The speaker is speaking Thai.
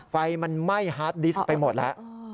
ไฟมันไหม้ฮาร์ดดิสต์ไปหมดแล้ว